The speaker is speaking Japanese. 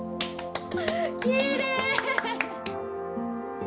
きれい！